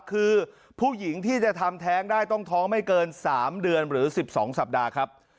คือผู้หญิงที่จะทำแท้งได้ต้องท้องไม่เกิน๓เดือนหรือ๑๒สัปดาห์ครับ